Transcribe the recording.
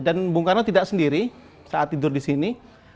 dan bung karno tidak sendiri saat tidur di sini